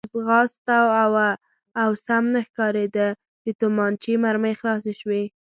په ځغاسته و او سم نه ښکارېده، د تومانچې مرمۍ خلاصې شوې.